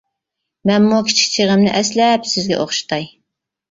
مەنمۇ كىچىك چىغىمنى، ئەسلەپ سىزگە ئوخشىتاي.